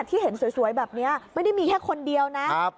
ที่เห็นสวยแบบนี้ไม่ได้มีแค่คนเดียวนะ